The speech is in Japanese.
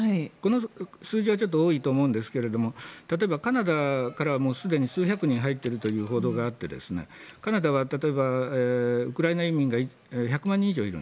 この数字はちょっと多いと思うんですけど例えばカナダからはすでに数百人入っているという報道があって、カナダは